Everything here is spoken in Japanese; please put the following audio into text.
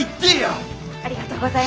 ありがとうございます。